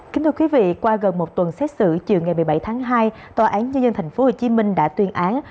kính thưa quý vị qua gần một tuần xét xử chiều ngày một mươi bảy tháng hai tòa án nhân dân tp hcm đã tuyên án